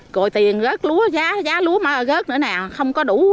rồi tiền rớt lúa giá lúa mà rớt nữa nè không có đủ